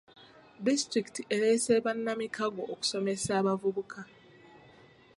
Disitulikiti ereese bannamikago okusomesa abavubuka.